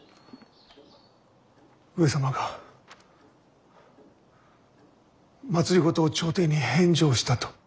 上様が政を朝廷に返上したと。